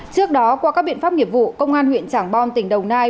trước đó qua các biện pháp nghiệp vụ công an huyện trảng bom tỉnh đồng nai